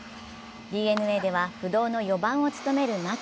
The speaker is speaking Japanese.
ＤｅＮＡでは不動の４番を務める牧。